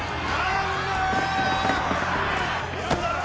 ・いるんだろ。